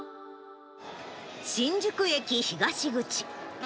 新宿駅東口。